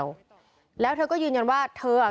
ลูกสาวหลายครั้งแล้วว่าไม่ได้คุยกับแจ๊บเลยลองฟังนะคะ